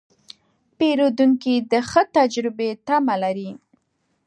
پیرودونکی د ښه تجربې تمه لري.